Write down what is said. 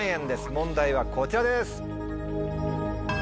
問題はこちらです。